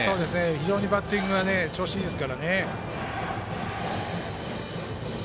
非常にバッティングが調子いいですからね。